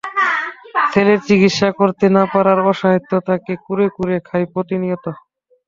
ছেলের চিকিৎসা করতে না পারার অসহায়ত্ব তাঁকে কুরে কুরে খায় প্রতিনিয়ত।